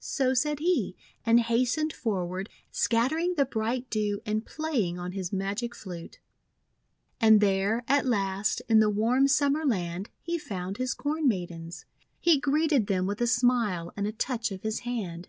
So said he, and hastened forward, scattering the bright Dew and playing on his magic flute. And there, at last, in the warm Summer Land, he found his Corn Maidens. He greeted them with a smile and a touch of his hand.